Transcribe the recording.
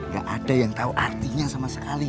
gak ada yang tau artinya sama sekali ya